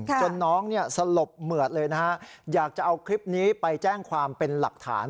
จนน้องสลบเหมือดเลยนะฮะอยากจะเอาคลิปนี้ไปแจ้งความเป็นหลักฐาน